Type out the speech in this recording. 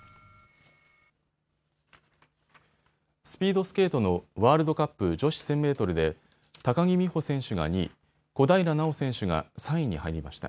スピードスケートのワールドカップ女子１０００メートルで高木美帆選手が２位、小平奈緒選手が３位に入りました。